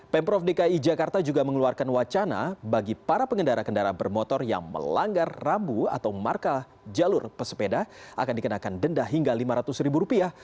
pemprov dki jakarta juga mengeluarkan wacana bagi para pengendara kendara bermotor yang melanggar rambu atau markah jalur pesepeda akan dikenakan denda hingga lima ratus ribu rupiah